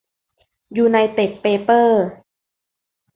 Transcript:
ยูไนเต็ด เปเปอร์